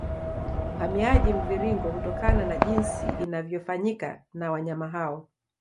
Uhamiaji Mviringo hutokana na jinsi inavyofanyika na wanyama hao